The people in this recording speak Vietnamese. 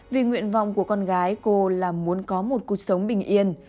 vì nguyện vọng của con gái cô là muốn có một cuộc sống bình yên